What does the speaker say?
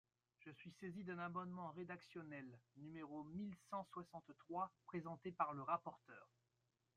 Je suis saisi d’un amendement rédactionnel, numéro mille cent soixante-trois, présenté par le rapporteur.